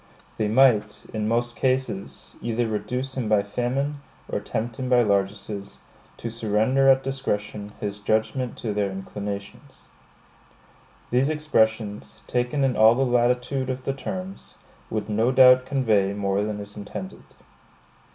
They might, in most cases, either reduce him by famine, or tempt him by largesses, to surrender at discretion his judgment to their inclinations. These expressions, taken in all the latitude of the terms, would no doubt convey more than is intended.